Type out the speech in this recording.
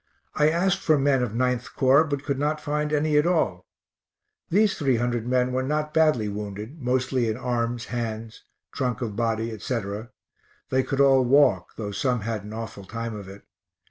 I asked for men of 9th Corps, but could not find any at all. These 300 men were not badly wounded, mostly in arms, hands, trunk of body, etc. They could all walk, though some had an awful time of it.